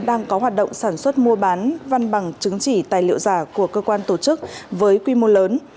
đang có hoạt động sản xuất mua bán văn bằng chứng chỉ tài liệu giả của cơ quan tổ chức với quy mô lớn